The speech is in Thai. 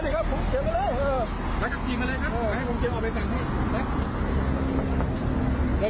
สวัสดีครับ